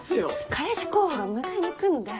彼氏候補が迎えに来んだよ。